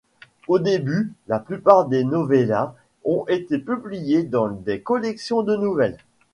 Au début, la plupart des novellas ont été publiées dans des collections de nouvelles.